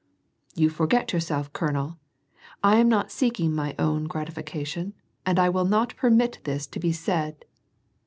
" You forget yourself, colonel. I am not seeking my own gratification, and I will not permit this to be said."